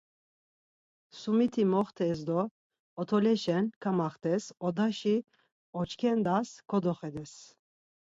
Sumiti moxtes do otoleşen kamaxtes odaşi oç̌ǩendas kodoxedes.